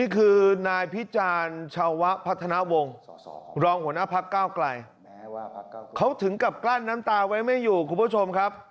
เขาถึงกับกลั้นน้ำตาไว้ไม่อยู่คุณผู้ชมครับ